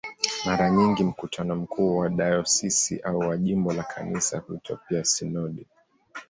Mara nyingi mkutano mkuu wa dayosisi au wa jimbo la Kanisa huitwa pia "sinodi".